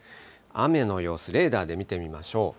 雨の様子、レーダーで見てみましょう。